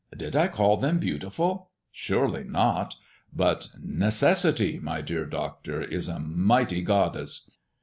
"Did I call them beautiful? Surely not; but necessity, my dear Doctor, is a mighty goddess.